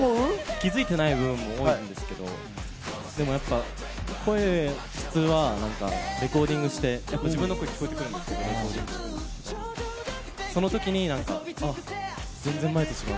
気づいてない部分もあるんですけど、声質はレコーディングして、自分の声が聞こえてくるので、その時に「あっ、全然前と違う」。